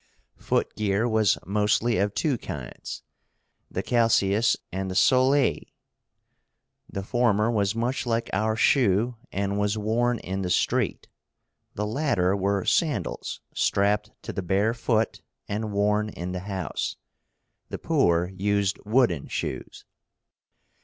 Foot gear was mostly of two kinds, the CALCEUS and the SOLEAE. The former was much like our shoe, and was worn in the street. The latter were sandals, strapped to the bare foot, and worn in the house. The poor used wooden shoes.